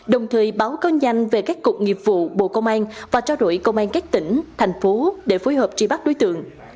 đồng thời báo cao nhanh về các cục nghiệp vụ bộ công an và trao đổi công an các tỉnh thành phố để phối hợp tri bắt đối tượng